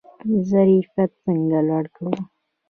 ظرفیت څنګه لوړ کړو؟